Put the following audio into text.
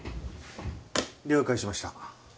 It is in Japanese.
了解しました。